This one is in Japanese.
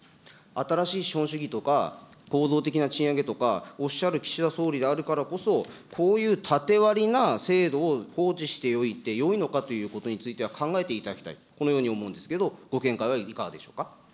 新しい資本主義とか構造的な賃上げとかおっしゃる岸田総理であるからこそ、こういう縦割りな制度を放置しておいてよいのかということについては考えていただきたい、このように思うんですけど、ご見解はいかがでしょうか。